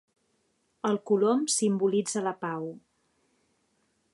El colom simbolitza la pau.